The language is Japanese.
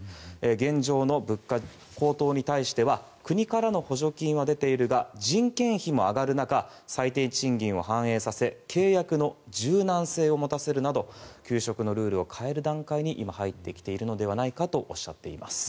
現状の物価高騰に対しては国からの補助金は出ているが人件費も上がる中最低賃金を反映させ契約の柔軟性を持たせるなど給食のルールを変える段階に今入ってきているのではないかとおっしゃっています。